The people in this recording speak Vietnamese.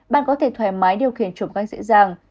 bạn có thể thoải mái điều khiển chuột bằng dễ dàng